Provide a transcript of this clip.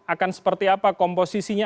akan seperti apa komposisinya